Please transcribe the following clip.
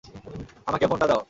আমাকে ফোনটা দাও।